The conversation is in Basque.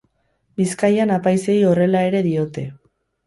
Bizkaian apaizei horrela ere diote.